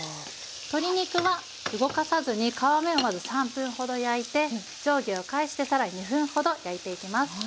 鶏肉は動かさずに皮目をまず３分ほど焼いて上下を返して更に２分ほど焼いていきます。